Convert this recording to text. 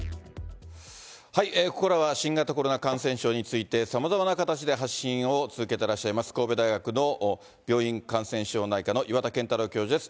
ここからは、新型コロナ感染症について、さまざまな形で発信を続けてらっしゃいます、神戸大学の病院感染症内科の岩田健太郎教授です。